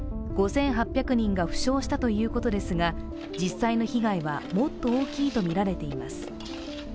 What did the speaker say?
５８００人が負傷したということですが、実際の被害はもっと大きいとみられています。